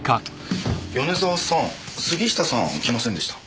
米沢さん杉下さん来ませんでした？